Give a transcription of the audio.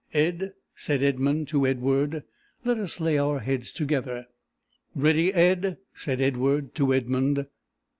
"Ed," said Edmund to Edward, "let us lay our heads together!" "Ready Ed!" said Edward to Edmund.